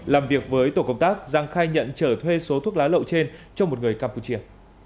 làm việc với tổ công tác giang khai nhận trở thuê số thuốc lá lậu trên cho một người campuchia